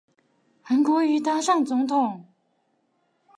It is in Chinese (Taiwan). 韓國瑜當上總統